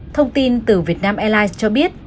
thông tin từ việt nam airlines cho biết